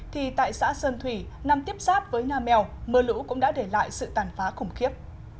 thì tại xã sơn thủy nằm tiếp sát với nam mèo mưa lũ cũng đã để lại sự tàn phá khủng khiếp